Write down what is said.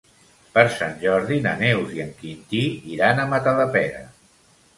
Per Sant Jordi na Neus i en Quintí iran a Matadepera.